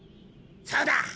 そうだ！